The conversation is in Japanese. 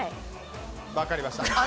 分かりました。